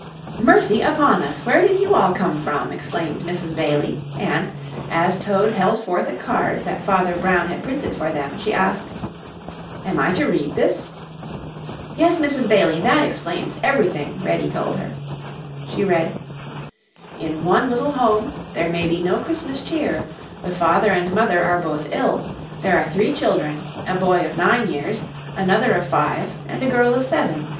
"Mercy upon us, where did you all come from?" exclaimed Mrs. Bailey, and, as Toad held forth a card that Father Brown had printed for them, she asked: "Am I to read this?" "Yes, Mrs. Bailey, that explains everything," Reddy told her. She read: "In one little home there may be no Christmas cheer; the father and mother are both ill. There are three children; a boy of nine years, another of five, and a girl of seven.